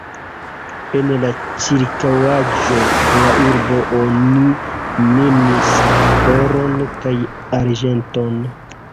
En la ĉirkaŭaĵo de la urbo oni minis oron kaj arĝenton.